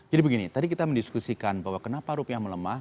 jadi begini tadi kita mendiskusikan bahwa kenapa rupiah melemah